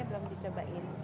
dagingnya belum dicobain